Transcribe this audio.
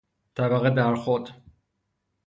طبقه در خود